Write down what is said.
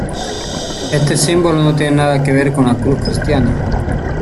Este símbolo no tiene nada que ver con la cruz cristiana.